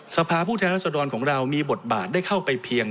สภาพผู้แทนรัศดรของเรามีบทบาทได้เข้าไปเพียง